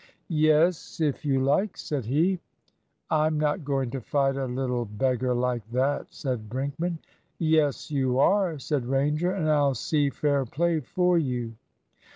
"Yes, if you like," said he. "I'm not going to fight a little beggar like that," said Brinkman. "Yes, you are," said Ranger, "and I'll see fair play for you."